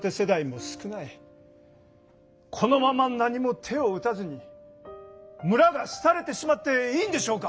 このまま何も手を打たずに村がすたれてしまっていいんでしょうか？